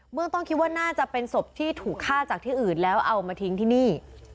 เมืองต้นคิดว่าน่าจะเป็นศพที่ถูกฆ่าจากที่อื่นแล้วเอามาทิ้งที่นี่